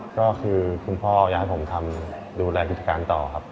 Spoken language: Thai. ก็คือคุณพ่ออยากให้ผมทำดูแลกิจการต่อครับ